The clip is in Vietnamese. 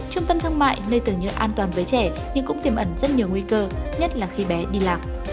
trung tâm thương mại nơi tưởng nhớ an toàn với trẻ nhưng cũng tiềm ẩn rất nhiều nguy cơ nhất là khi bé đi lạc